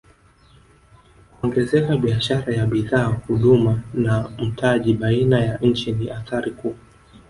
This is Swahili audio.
Kuongezeka biashara ya bidhaa huduma na mtaji baina ya nchi ni athari kuu